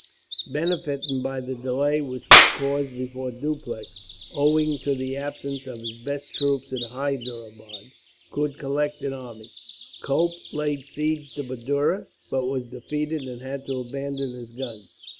Benefiting by the delay which was caused before Dupleix, owing to the absence of his best troops at Hyderabad, could collect an army, Cope laid siege to Madura, but was defeated and had to abandon his guns.